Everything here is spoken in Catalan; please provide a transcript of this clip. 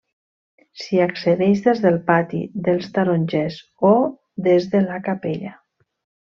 S'hi accedeix des del pati dels Tarongers o des de la Capella.